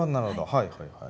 はいはいはい。